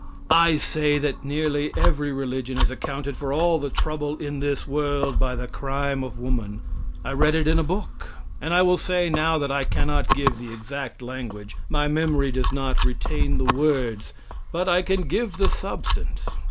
I say that nearly every religion has accounted for all the trouble in this world by the crime of woman. I read in a book and I will say now that I cannot give the exact language; my memory does not retain the words but I can give the substance.